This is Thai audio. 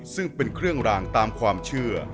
ซึ่งเป็นเครื่องรางตามความเชื่อ